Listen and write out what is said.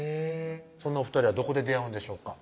そんなお２人はどこで出会うんでしょうか？